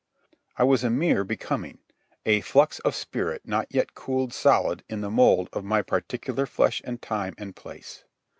I was a mere becoming, a flux of spirit not yet cooled solid in the mould of my particular flesh and time and place.